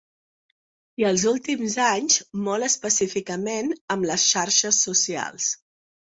I, els últims anys, molt específicament amb les xarxes socials.